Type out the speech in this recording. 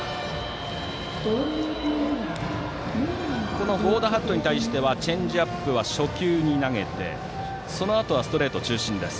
この合田華都に対してはチェンジアップは初球に投げてそのあとはストレート中心です。